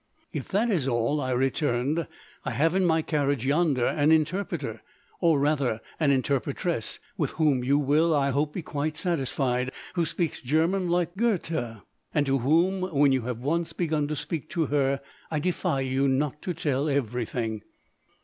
"If that is all," I returned, "I have in my carriage yonder an interpreter, or rather an interpretress, with whom you will, I hope, be quite satisfied, who speaks German like Goethe, and to whom, when you have once begun to speak to her, I defy you not to tell everything."